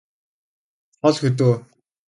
хол хөдөө